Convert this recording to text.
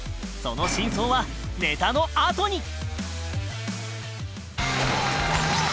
その真相はネタのあとに